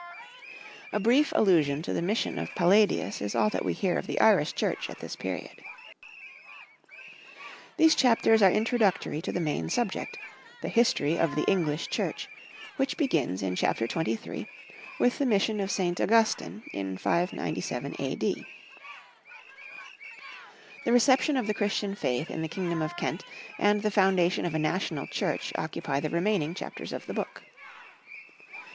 A brief allusion to the mission of Palladius is all that we hear of the Irish Church at this period. These chapters are introductory to the main subject, the History of the English Church, which begins in Chapter 23 with the mission of St. Augustine in 597 A.D. The reception of the Christian faith in the kingdom of Kent and the foundation of a national Church occupy the remaining chapters of the book.